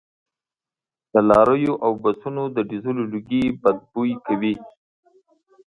د لاریو او بسونو د ډیزلو لوګي بد بوی کوي